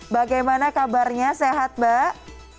bagaimana kabarnya sehat mbak